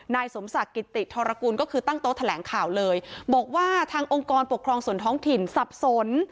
นายสมศักดิ์กิติธรกุลก็คือตั้งโต๊ะแถลงข่าวเลยบอกว่าทางองค์กรปกครองส่วนท้องถิ่นสับสน